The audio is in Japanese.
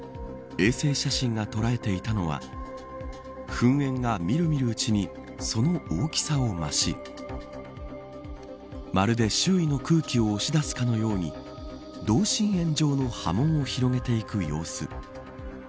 衛星写真が捉えていたのは噴煙がみるみるうちにその大きさを増しまるで周囲の空気を押し出すかのように同心円状の波紋を広げていく様子。